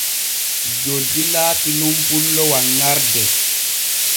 Joddi laati nun pullo wanŋarde.